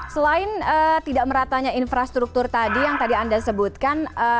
selain tidak meratanya infrastruktur tadi yang tadi anda sebutkan